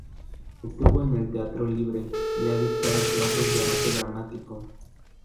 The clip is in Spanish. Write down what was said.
Estuvo en el Teatro Libre y ha dictado clases de Arte dramático.